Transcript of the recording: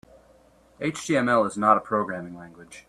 HTML is not a programming language.